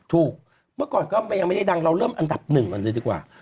ถูกเมื่อก่อนก็ยังไม่ได้ดังเราเริ่มอันดับ๑ก่อนดีกว่า